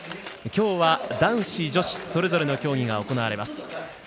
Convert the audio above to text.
今日は男子、女子それぞれの競技が行われます。